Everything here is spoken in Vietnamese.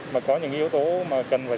mà có những yếu tố mà cần phải xử lý